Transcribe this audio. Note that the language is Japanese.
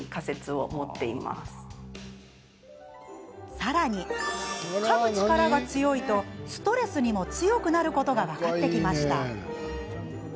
さらに、かむ力が強いとストレスにも強くなることが分かってきました。